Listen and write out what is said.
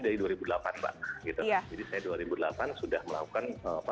dari dua ribu delapan mbak jadi saya dua ribu delapan sudah melakukan